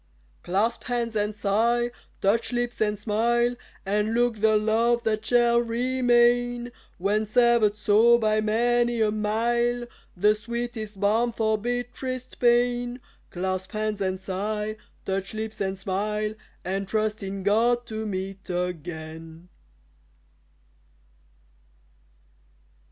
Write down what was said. Clasp hands and sigh, touch lips and smile, And look the love that shall remain When severed so by many a mile The sweetest balm for bitterest pain; Clasp hands and sigh, touch lips and smile, And trust in GOD to meet again.